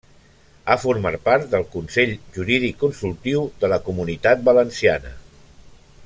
Ha format part del Consell Jurídic Consultiu de la Comunitat Valenciana.